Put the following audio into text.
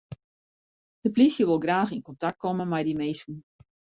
De plysje wol graach yn kontakt komme mei dy minsken.